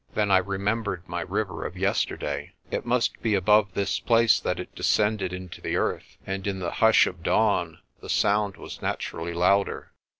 Then I remembered my river of yesterday. It must be above this place that it descended into the earth, and in the hush of dawn the sound was naturally louder.